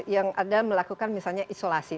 yang ada melakukan misalnya isolasi